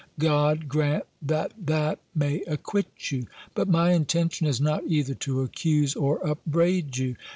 God grant that that may acquit you! But my intention is not either to accuse or upbraid you."